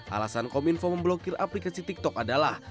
alasan kominfo memblokir aplikasi tiktok adalah